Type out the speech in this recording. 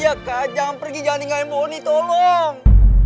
ya kak jangan pergi jangan tinggalin bonny tolong